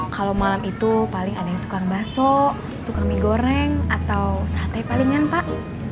kalau malam itu paling ada yang tukang baso tukang mie goreng atau sate palingan pak